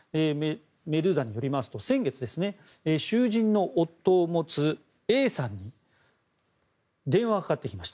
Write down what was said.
メドゥーザによりますと先月、囚人の夫を持つＡさんに電話がかかってきました。